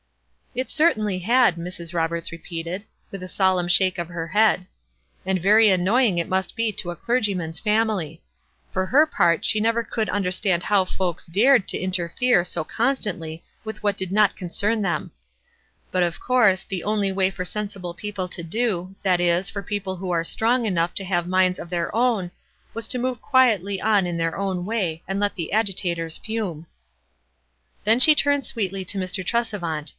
"It certainly had," Mrs. Roberts repeated, with a solemn shake of her head. "And very annoying it must be to a clergyman's family. For her part she never could understand how folks dared to interfere so constantly with what did not concern them. But, of course, the only way for sensible people to do, that is, for people w 7 ho were strong enough to have minds of their own, was to move quietly on in their own way, and let the agitators fume." Then she turned sweetly to Mr. Tresevant.